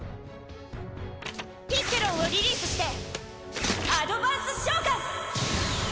ピッケロンをリリースしてアドバンス召喚！